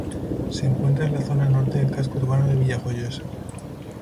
Se encuentra en la zona norte del casco urbano de Villajoyosa.